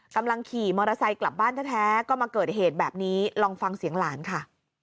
กำลังขี่มอเตอร์ไซค์กลับบ้านแท้ก็มาเกิดเหตุแบบนี้ลองฟังเสียงหลานค่ะ